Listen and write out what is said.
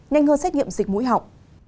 nhanh hơn xét nghiệm dịch mũi học